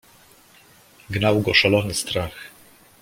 "Gnał go szalony strach."